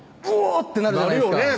ってなるじゃないですかなるよね